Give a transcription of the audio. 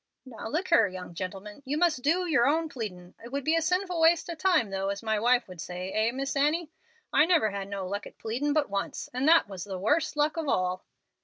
"Now look here, young gentleman, you must do yer own pleadin'. It would be a 'sinful waste of time' though, as my wife would say eh, Miss Annie? I never had no luck at pleadin' but once, and that was the worst luck of all."